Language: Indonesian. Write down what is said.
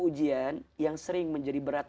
ujian yang sering menjadi berat